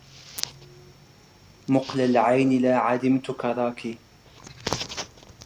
مقل العين لا عدمت كراك